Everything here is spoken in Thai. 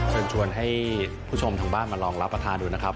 เชิญชวนให้ผู้ชมทางบ้านมาลองรับประทานดูนะครับ